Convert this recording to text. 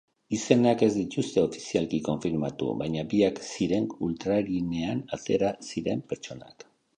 Izenak ez dituzte ofizialki konfirmatu, baina biak ziren ultrarinean atera ziren pertsonak.